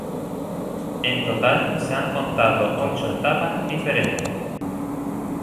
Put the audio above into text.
En total, se han contado ocho etapas diferentes.